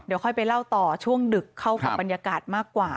เดี๋ยวค่อยไปเล่าต่อช่วงดึกเข้ากับบรรยากาศมากกว่า